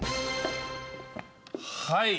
はい。